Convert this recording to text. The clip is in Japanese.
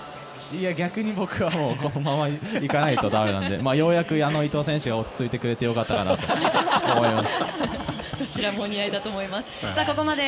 逆に僕はこのままいかないとだめなのでようやく伊東選手が落ち着いてくれて良かったなと思います。